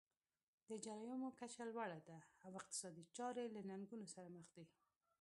د جرایمو کچه لوړه ده او اقتصادي چارې له ننګونو سره مخ دي.